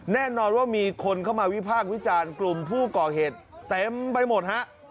แน่นอนว่ามีคนเข้ามาวิพากษ์วิจารณ์กลุ่มผู้ก่อเหตุเต็มไปหมดฮะ